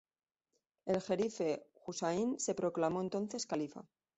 El jerife Husayn se proclamó entonces califa.